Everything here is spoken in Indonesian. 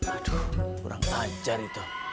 aduh kurang ajar itu